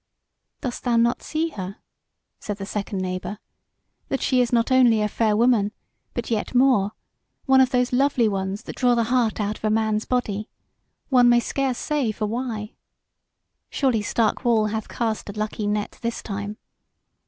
"Dost thou not see her," said the second neighbour, "that she is not only a fair woman, but yet more, one of those lovely ones that draw the heart out of a man's body, one may scarce say for why? Surely Stark wall hath cast a lucky net this time.